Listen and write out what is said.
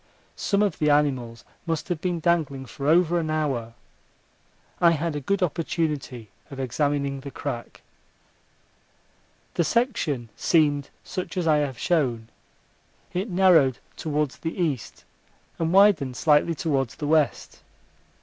Some of the animals must have been dangling for over an hour. I had a good opportunity of examining the crack. The section seemed such as I have shown. It narrowed towards the east and widened slightly towards the west.